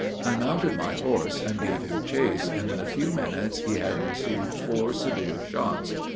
I mounted my horse and gave him chase, and in a few minutes he had received four severe shots.